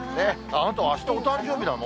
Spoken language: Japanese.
あなた、あしたお誕生日なの？